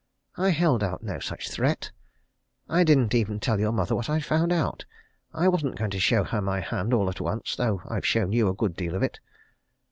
I held out no such threat. I didn't even tell your mother what I'd found out. I wasn't going to show her my hand all at once though I've shown you a good deal of it."